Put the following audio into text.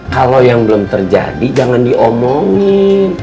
kalau yang belum terjadi jangan diomongin